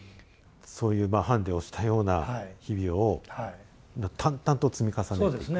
そういう判で押したような日々を淡々と積み重ねていく。